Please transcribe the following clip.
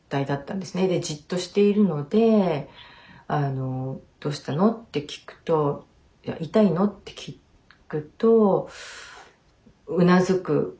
でじっとしているのでどうしたの？って聞くといや痛いの？って聞くとうなずく感じで。